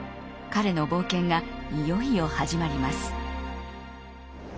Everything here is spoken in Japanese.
彼の冒険がいよいよ始まります。